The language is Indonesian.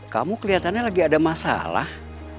kamu kelihatannya lagi ada masalah